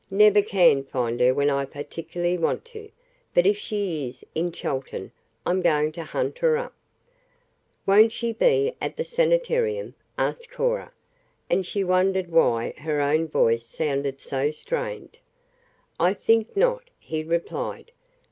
"Never can find her when I particularly want to, but if she is in Chelton I'm going to hunt her up." "Won't she be at the sanitarium?" asked Cora, and she wondered why her own voice sounded so strained. "I think not," he replied.